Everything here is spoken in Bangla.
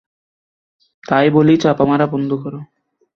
তাই বলি চাপামারা বন্ধ কর।